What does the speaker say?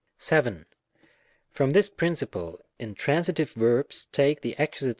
From this principle Intransitive verbs take the Accus.